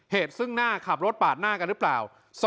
เหตุซึ่งหน้าขับรถปาดหน้ากันหรือเปล่า